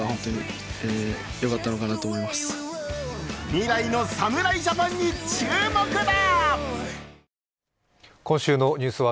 未来の侍ジャパンに注目だ！